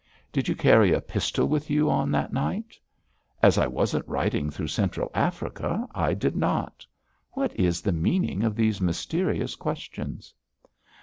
'Did you carry a pistol with you on that night?' 'As I wasn't riding through Central Africa, I did not. What is the meaning of these mysterious questions?'